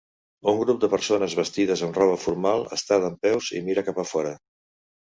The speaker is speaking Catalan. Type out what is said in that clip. Un grup de persones vestides amb roba formal està dempeus i mira cap a fora.